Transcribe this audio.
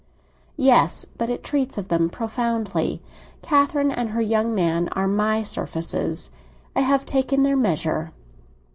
"Yes; but it treats of them profoundly. Catherine and her young man are my surfaces; I have taken their measure."